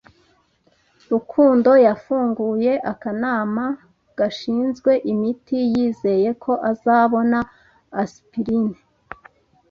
Rukundo yafunguye akanama gashinzwe imiti yizeye ko azabona aspirine.